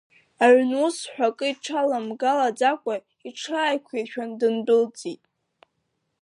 Аҩн ус ҳәа акы иҽаламгалаӡакәа, иҽааиқәиршәан, дындәылҵит.